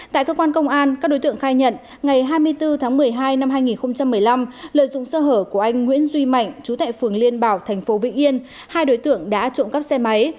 tại cơ quan công an các đối tượng khai nhận ngày hai mươi bốn tháng một mươi hai năm hai nghìn một mươi năm lợi dụng sơ hở của anh nguyễn duy mạnh chú tại phường liên bảo tp vĩnh yên hai đối tượng đã trộm cắp xe máy